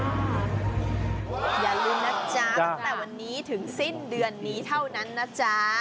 อย่าลืมนะจ๊ะตั้งแต่วันนี้ถึงสิ้นเดือนนี้เท่านั้นนะจ๊ะ